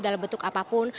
dalam bentuk apapun